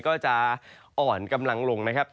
ก็จะอ่อนกำลังลงนะครับ